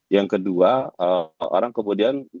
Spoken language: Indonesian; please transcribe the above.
yang kedua orang kemudian